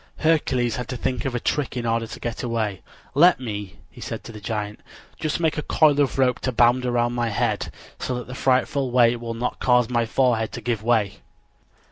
Hercules had to think of a trick in order to get away. "Let me," he said to the giant, "just make a coil of rope to bind around my head, so that the frightful weight will not cause my forehead to give way."